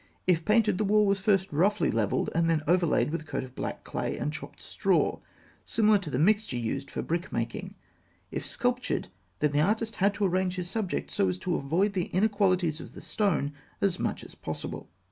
If painted, the wall was first roughly levelled, and then overlaid with a coat of black clay and chopped straw, similar to the mixture used for brick making. If sculptured, then the artist had to arrange his subject so as to avoid the inequalities of the stone as much as possible.